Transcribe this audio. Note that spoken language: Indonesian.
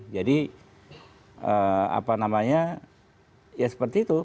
jadi ya seperti itu